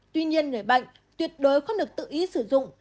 tuy nhiên người bệnh tuyệt đối không được tự ý sử dụng